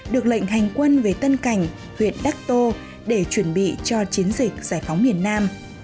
được lệnh hành quân về tân cảnh huyện đắc tô để chuẩn bị cho chiến dịch giải phóng miền nam